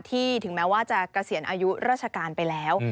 ถึงแม้ว่าจะเกษียณอายุราชการไปแล้ว